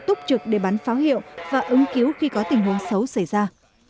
túc trực để bắn pháo hiệu và ứng cứu khi có tình huống xấu xảy ra